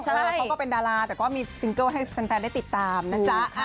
เขาก็เป็นดาราแต่ก็มีซิงเกิลให้แฟนได้ติดตามนะจ๊ะ